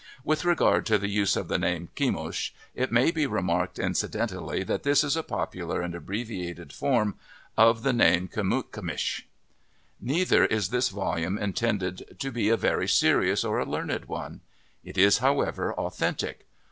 With regard to the use of the name " Kemush," it may be remarked incidentally that this is a popular and abbreviated form of the name " K/mutkmitch." Neither is this volume intended to be a very serious or a learned one. It is, however, authentic.